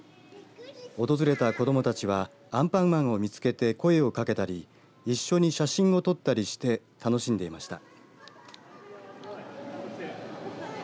訪れた子どもたちはアンパンマンを見つけて声をかけたり一緒に写真を撮ったりして楽しんでいました。